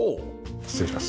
失礼します。